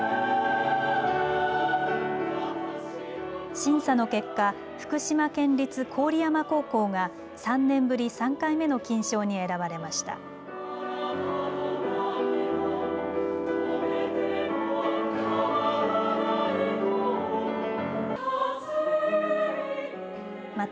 審査の結果、福島県立郡山高校が３年ぶり３回目の金賞に選ばれました。